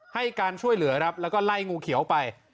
ให้การช่วยเหลือครับแล้วก็ไล่งูเขียวไป